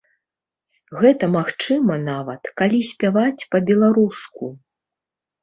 Гэта магчыма нават, калі спяваць па-беларуску.